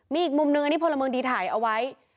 มีอีกมุมเนื้อนี่พลเมิงดีถ่ายเอาไว้